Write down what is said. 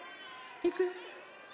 いくよ。